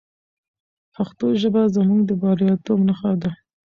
پښتو ژبه زموږ د بریالیتوب نښه ده.